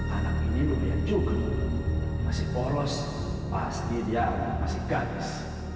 anak ini lumayan juga masih poros pasti dia masih gagas